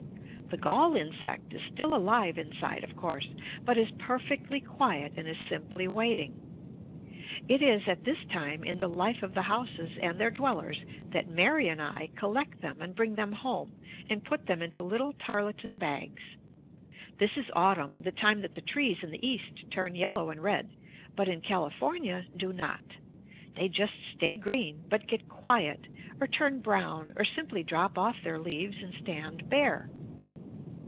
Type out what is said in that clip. The gall insect is still alive inside, of course, but is perfectly quiet and is simply waiting. It is at this time in the life of the houses and their dwellers that Mary and I collect them and bring them home and put them into little tarlatan bags. This is autumn, the time that the trees in the East turn yellow and red, but in California do not. They just stay green, but get quiet or turn brown or simply drop off their leaves and stand bare.